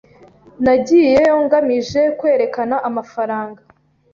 Nagiyeyo ngamije kwerekana amafaranga.